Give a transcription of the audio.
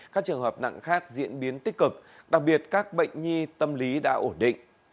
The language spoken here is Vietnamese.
các trường hợp nặng khác diễn biến tích cực đặc biệt các bệnh nhi tâm lý đã ổn định